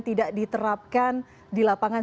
tidak diterapkan di lapangan